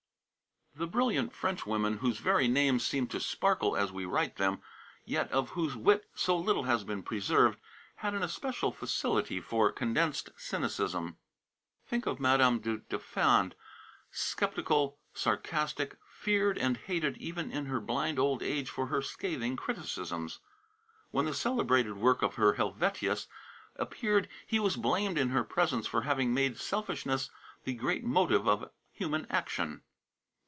The brilliant Frenchwomen whose very names seem to sparkle as we write them, yet of whose wit so little has been preserved, had an especial facility for condensed cynicism. Think of Madame du Deffand, sceptical, sarcastic; feared and hated even in her blind old age for her scathing criticisms. When the celebrated work of Helvetius appeared he was blamed in her presence for having made selfishness the great motive of human action.